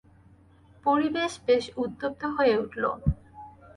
পরিবেশ বেশ উত্তপ্ত হয়ে উঠল।